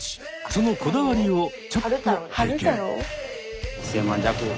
そのこだわりをちょっと拝見。